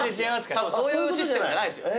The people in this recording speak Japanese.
多分そういうシステムじゃないですよ。